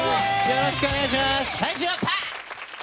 よろしくお願いします。